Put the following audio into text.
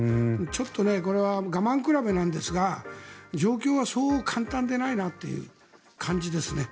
ちょっとこれは我慢比べなんですが状況はそう簡単でないなという感じですね。